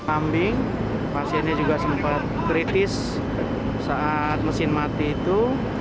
kambing pasiennya juga sempat kritis saat mesin mati itu